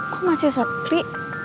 kok masih sepi